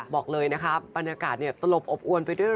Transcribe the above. บอกเลยนะคะบรรยากาศตลบอบอวนไปด้วย